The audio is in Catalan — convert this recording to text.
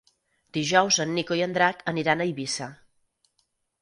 Dijous en Nico i en Drac aniran a Eivissa.